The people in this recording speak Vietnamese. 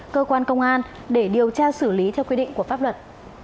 cơ quan công an để điều tra xử lý theo quy định của pháp luật